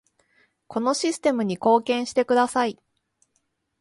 このシステムに貢献してください